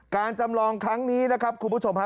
จำลองครั้งนี้นะครับคุณผู้ชมฮะ